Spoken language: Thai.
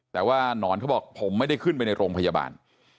แต่ว่านอนเขาบอกผมไม่ได้ขึ้นไปในโรงพยาบาล